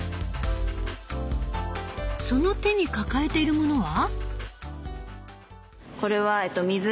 その手に抱えているものは？